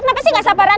kenapa sih gak sabaran